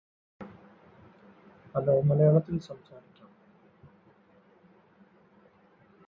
This was where he started his career in the video game business.